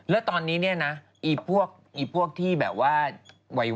แล้วตอนนี้เนี่ยนะพวกที่แบบว่าวัย